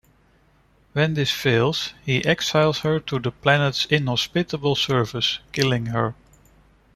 When this fails, he exiles her to the planet's inhospitable surface, killing her.